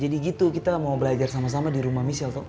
jadi gitu kita mau belajar sama sama di rumah michelle